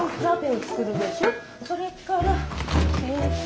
それからえっと。